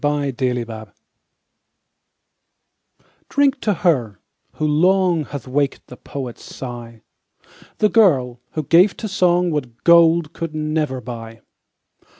DRINK TO HER. Drink to her, who long, Hath waked the poet's sigh. The girl, who gave to song What gold could never buy.